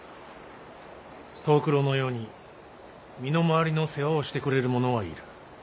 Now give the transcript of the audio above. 藤九郎のように身の回りの世話をしてくれる者はいる。